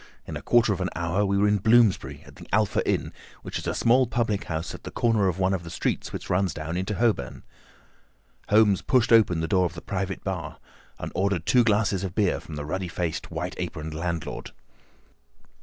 In a quarter of an hour we were in Bloomsbury at the Alpha Inn, which is a small public house at the corner of one of the streets which runs down into Holborn. Holmes pushed open the door of the private bar and ordered two glasses of beer from the ruddy faced, white aproned landlord.